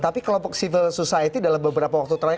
tapi kelompok civil society dalam beberapa waktu terakhir